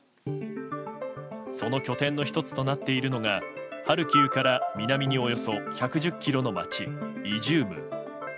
その拠点の１つとなっているのがハルキウから南におよそ１１０ｋｍの街イジューム。